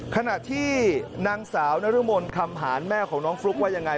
ขณะที่หนังสาวนรมนศ์คำห่านแม่ของหน้าฟลุ๊กว่าอย่างไร